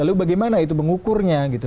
lalu bagaimana itu mengukurnya gitu